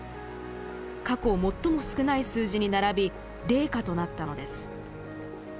過去最も少ない数字に並び冷夏となったのです。